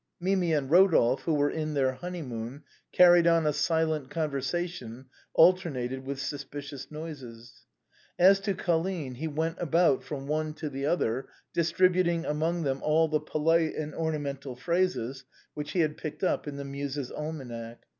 Mimi and Eodolphe, who were in their honeymoon, carried on a silent conversation, al ternated with suspicious noises. As to Colline, he went about from one to the other distributing among them all the polite and ornamental phrases which he had picked up in the " Muses' Almanack."